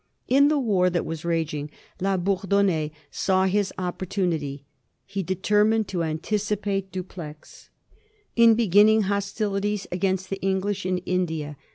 In the war that was raging La Bourdonnais saw his opportunity. He determined to anticipate Dupleix in beginning hostilities against the English in India.